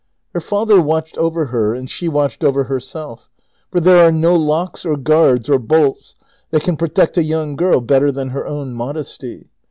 Her father watched over her and she watched over herself; for there are no locks, or guards, or bolts that can protect a young girl bet ter than her own modesty.